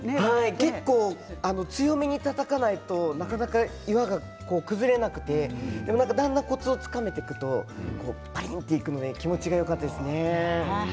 結構、強めにたたかないとなかなか岩が崩れなくてだんだんコツがつかめるとパリっといって気持ちいいですね。